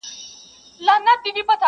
په لوی لاس ځانته کږې کړي سمي لاري!!!!!